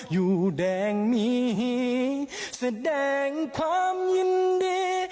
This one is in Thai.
อยู่แดงมีแสดงความยินดี